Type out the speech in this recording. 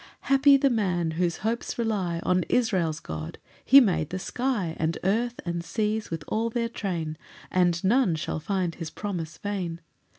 4 Happy the man whose hopes rely On Israel's God: he made the sky, And earth and seas with all their train, And none shall find his promise vain.